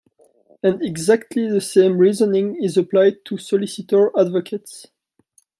And exactly the same reasoning is applied to solicitor advocates.